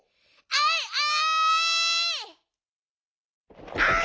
あいあい！